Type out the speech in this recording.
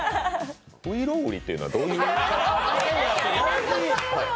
ういろう売りっていうのはどういう？